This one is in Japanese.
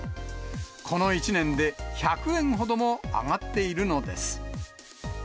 この１年で１００円ほども上がっているのです。